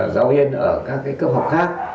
giáo viên ở các cấp học khác